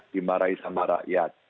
dimarahi sama rakyat